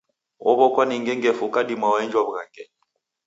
Ow'okwa ni ngengefu ukadima waenjwa w'ughangenyi.